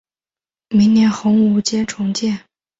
明洪武年间重建。